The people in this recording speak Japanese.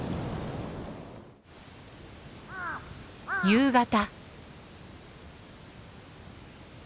夕方。